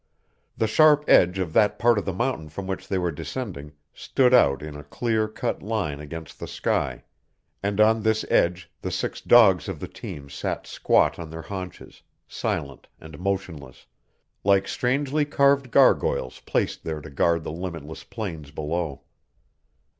The sharp edge of that part of the mountain from which they were descending stood out in a clear cut line against the sky, and on this edge the six dogs of the team sat squat on their haunches, silent and motionless, like strangely carved gargoyles placed there to guard the limitless plains below.